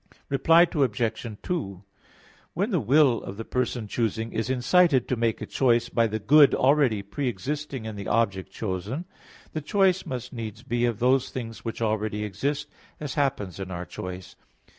Reply Obj. 2: When the will of the person choosing is incited to make a choice by the good already pre existing in the object chosen, the choice must needs be of those things which already exist, as happens in our choice.